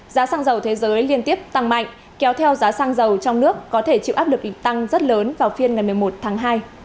giá xăng dầu thế giới liên tiếp tăng mạnh kéo theo giá xăng dầu trong nước có thể chịu áp lực địch tăng rất lớn vào phiên ngày một mươi một tháng hai